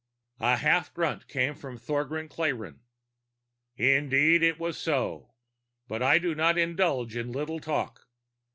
A half grunt came from Thogran Klayrn. "Indeed it was so. But I do not indulge in little talk.